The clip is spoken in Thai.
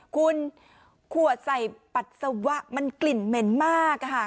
คุณขวดใส่ปัสสาวะมันกลิ่นเหม็นมาก